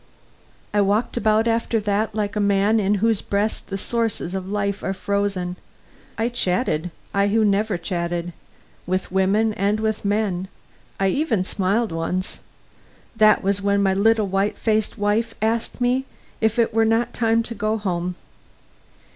I walked about after that like a man in whose breast the sources of life are frozen. I chatted I who never chatted with women, and with men. I even smiled once. That was when my little white faced wife asked me if it were not time to go home.